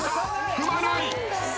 踏まない！